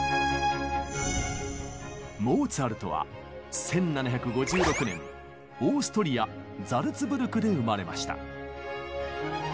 モーツァルトは１７５６年オーストリアザルツブルクで生まれました。